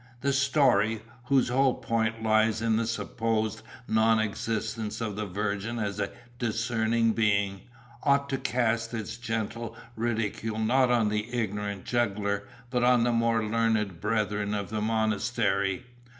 The story, whose whole point lies in the supposed non existence of the virgin as a discerning being, ought to cast its gentle ridicule not on the ignorant juggler but on the more learned brethren of the monastery.